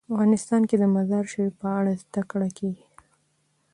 افغانستان کې د مزارشریف په اړه زده کړه کېږي.